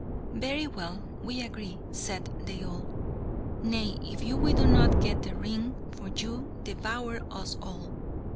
"Very well, we agree," said they all. "Nay, if we do not get the ring for you, devour us all."